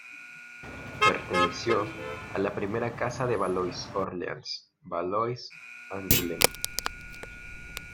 Perteneció a la primera casa de Valois-Orleans, Valois-Angulema.